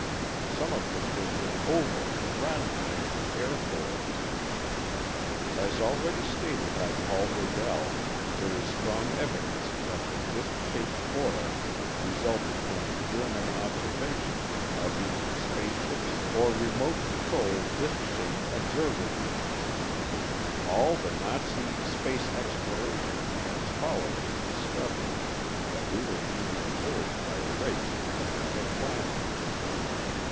Some of this was with oval and round types of airfoils. As already stated by Paul Redell, there is strong evidence that the disk shaped foil resulted from German observations of either space ships or remote control disk shaped "observer units." All the Nazi space exploration plans followed this discovery that we were being observed by a race from another planet.